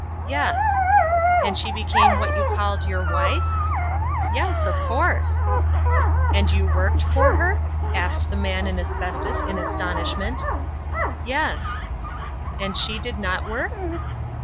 "Yes." "And she became what you called your wife?" "Yes, of course." "And you worked for her?" asked the Man in Asbestos in astonishment. "Yes." "And she did not work?"